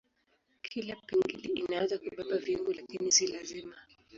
Kila pingili inaweza kubeba viungo lakini si lazima.